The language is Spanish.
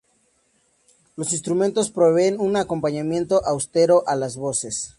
Los instrumentos proveen un acompañamiento austero a las voces.